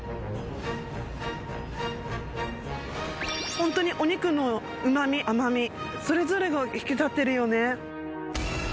ホントにお肉のうま味甘みそれぞれが引き立ってるよね